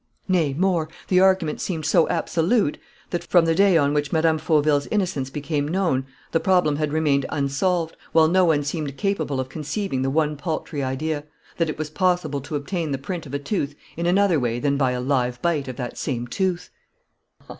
Nay, more, the argument seemed so absolute that, from the day on which Mme. Fauville's innocence became known, the problem had remained unsolved, while no one seemed capable of conceiving the one paltry idea: that it was possible to obtain the print of a tooth in another way than by a live bite of that same tooth!